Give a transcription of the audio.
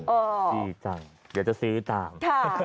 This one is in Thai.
อืมดีจังเดี๋ยวจะซื้อต่าง